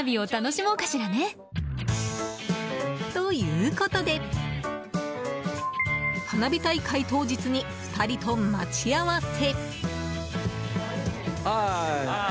ということで花火大会当日に２人と待ち合わせ。